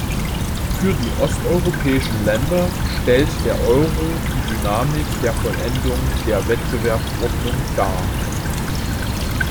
Für die osteuropäischen Länder stellt der Euro die Dynamik der Vollendung der Wettbewerbsordnung dar.